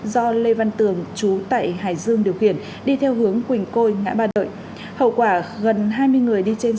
do lê văn tường chú tại hải dương